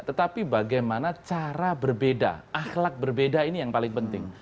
tetapi bagaimana cara berbeda akhlak berbeda ini yang paling penting